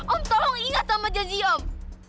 om tolong ingat sama janji om